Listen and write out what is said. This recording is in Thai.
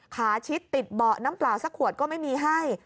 ขาชิดติดเบาะน้ำเปล่าสักขวดก็ไม่มีให้